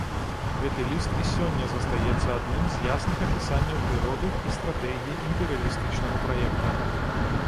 Гэты ліст і сёння застаецца адным з ясных апісанняў прыроды і стратэгіі імперыялістычнага праекта.